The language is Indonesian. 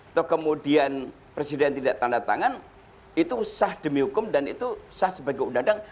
atau kemudian presiden tidak tanda tangan itu sah demi hukum dan itu sah sebagai undang undang